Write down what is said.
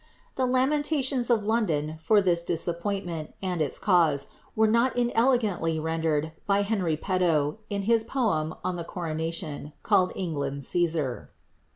The lamentations of London for this disappointment, and its cause, were not inelegantly rendered by Henry Petowe, in his poem on the coronation, called ^ England's Cssar."